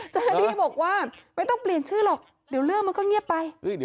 เจ้าหน้าที่บอกว่าไม่ต้องเปลี่ยนชื่อหรอกเดี๋ยวเรื่องมันก็เงียบไป